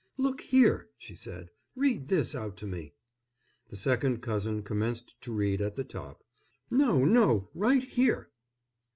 "Look here!" she said, "read this out to me." The second cousin commenced to read at the top. "No, no! right here."